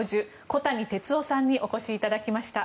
小谷哲男さんにお越しいただきました。